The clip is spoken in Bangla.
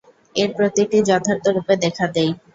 এর প্রতিটিই যথার্থরূপে দেখা দেয়।